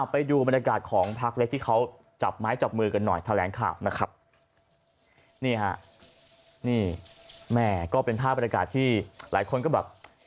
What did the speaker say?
ไปดูบรรยากาศของพักเล็กที่เขาจับไม้จับมือกันหน่อยแถลงข่าวนะครับ